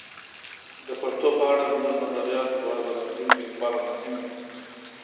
د پښتو په اړه زموږ نظریات به د راتلونکي لپاره مهم وي.